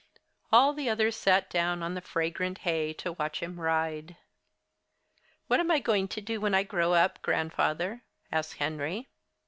All the others sat down on the fragrant hay to watch him ride. "What am I going to do when I grow up, Grandfather?" asked Henry.